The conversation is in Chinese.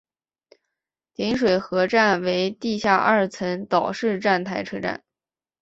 锦水河站为地下二层岛式站台车站。